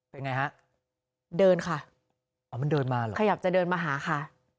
เป็นไงฮะเดินค่ะอ๋อมันเดินมาเหรอขยับจะเดินมาหาค่ะ